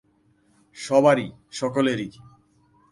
সবারই, সকলেরই।